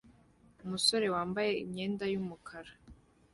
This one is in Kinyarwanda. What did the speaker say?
Umusore wambaye imyenda yumukara